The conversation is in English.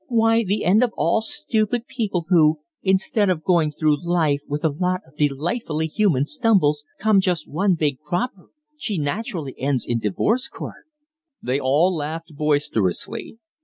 "Why, the end of all stupid people who, instead of going through life with a lot of delightfully human stumbles, come just one big cropper. She naturally ends in the divorce court!" They all laughed boisterously.